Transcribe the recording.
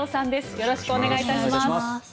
よろしくお願いします。